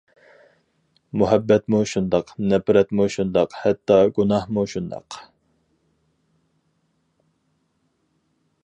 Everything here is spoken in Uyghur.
مۇھەببەتمۇ شۇنداق، نەپرەتمۇ شۇنداق ھەتتا گۇناھمۇ شۇنداق.